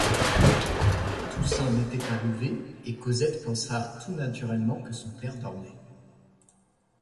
Toussaint n’était pas levée, et Cosette pensa tout naturellement que son père dormait.